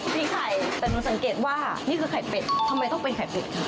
พริกไข่แต่หนูสังเกตว่านี่คือไข่เป็ดทำไมต้องเป็นไข่เป็ดค่ะ